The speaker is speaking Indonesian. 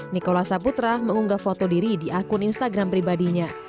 nikola saputra mengunggah foto diri di akun instagram pribadinya